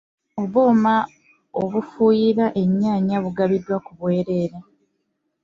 Obuuma obufuuyira ennyaanya bugabibwe ku bwereere.